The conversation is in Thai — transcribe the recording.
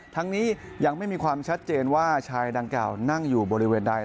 ทั้งนี้ยังไม่มีความชัดเจนว่าชายดังกล่าวนั่งอยู่บริเวณใด